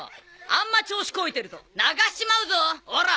あんま調子こいてると泣かしちまうぞオラ！